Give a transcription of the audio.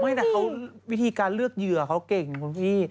ไม่แต่วิธีการเลือกเยือเขาเก่งคุณพี่